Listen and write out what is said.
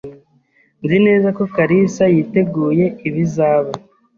Nzi neza ko kalisa yiteguye ibizaba.